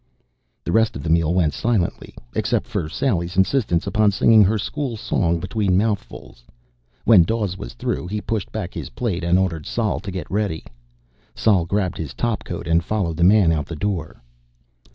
The rest of the meal went silently, except for Sally's insistence upon singing her school song between mouthfuls. When Dawes was through, he pushed back his plate and ordered Sol to get ready. Sol grabbed his topcoat and followed the man out the door.